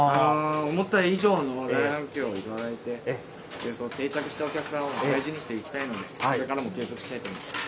思った以上の大反響をいただいて、定着したお客さんを大事にしていきたいので、これからも提供したいと思います。